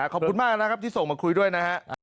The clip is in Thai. ขอบคุณมากที่ส่งมาคุยด้วยนะครับ